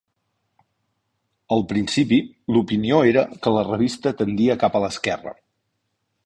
Al principi, l'opinió era que la revista tendia cap a l'esquerra.